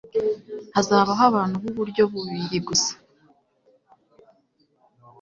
Hazabaho abantu b'uburyo bubiri gusa.